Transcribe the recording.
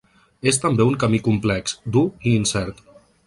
És també un camí complex, dur i incert.